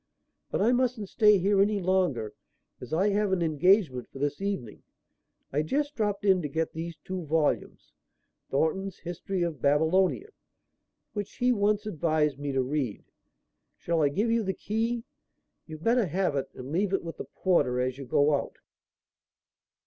But I mustn't stay here any longer as I have an engagement for this evening. I just dropped in to get these two volumes Thornton's History of Babylonia, which he once advised me to read. Shall I give you the key? You'd better have it and leave it with the porter as you go out."